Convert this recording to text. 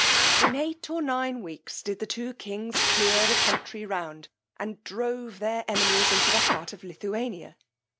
In eight or nine weeks did the two kings clear the country round, and drove their enemies into the heart of Lithuania.